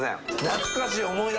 懐かしい。